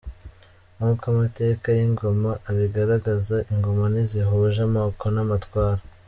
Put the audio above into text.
Nk’uko amateka y’ingoma abigaragaza, ingoma ntizihuije amoko n’amatwara.